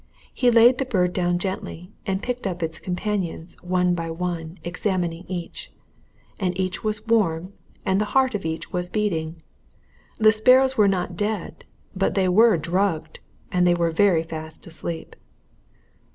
He laid the bird down gently, and picked up its companions, one by one, examining each. And each was warm, and the heart of each was beating. The sparrows were not dead but they were drugged and they were very fast asleep.